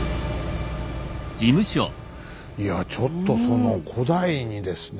いやちょっとその古代にですね